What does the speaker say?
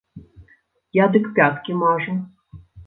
Я дык пяткі мажу.